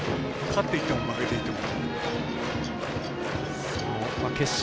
勝っていても、負けていても。